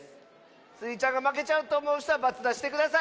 スイちゃんがまけちゃうとおもうひとは×だしてください。